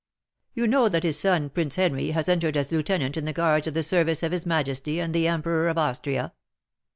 "You know that his son, Prince Henry, has entered as lieutenant in the guards in the service of his Majesty the Emperor of Austria?"